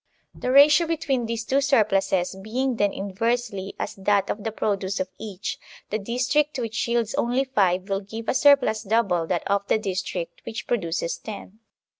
The ratio between these two surpluses being then inversely as that of the 72 THE SOCIAL CONTRACT produce of each, the district which yields only five will give a surplus double that of the district which pro duces ten.